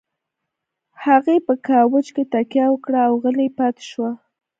هغې په کاوچ کې تکيه وکړه او غلې پاتې شوه.